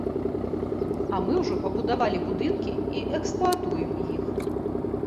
Але мы ўжо пабудавалі будынкі і эксплуатуем іх.